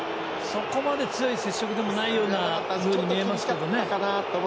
そこまで強い接触ではないふうに見えましたけどね。